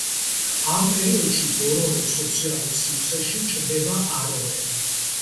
ამ პერიოდში ბოროროს სოციალურ სივრცეში ჩნდება აროე.